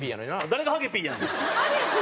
誰がハゲＰやねん！